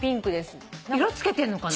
色つけてんのかな？